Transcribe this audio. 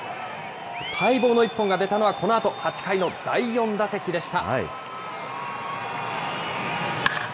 待望の一本が出たのはこのあと、８回の第４打席でした。